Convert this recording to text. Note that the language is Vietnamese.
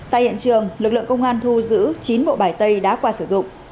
tại hiện trường lực lượng công an thu giữ chín bộ bài tay đá quà sử dụng